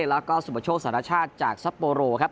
แล้วก็สุปโชคสารชาติจากซัปโปโรครับ